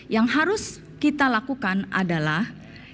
yang harus kita lakukan adalah